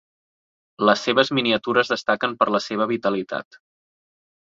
Les seves miniatures destaquen per la seva vitalitat.